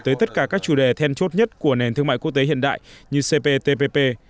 tới tất cả các chủ đề then chốt nhất của nền thương mại quốc tế hiện đại như cptpp